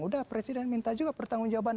udah presiden minta juga pertanggungjawaban